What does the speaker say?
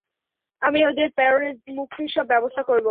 আমি ওদের প্যারোলে মুক্তির সব ব্যবস্থা করব।